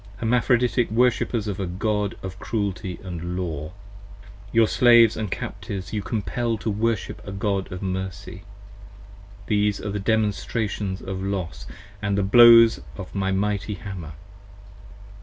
55 Hermaphroditic worshippers of a God of cruelty & law! Your Slaves & Captives you compell to worship a God of Mercy. These are the Demonstrations of Los & the blows of my mighty Hammer.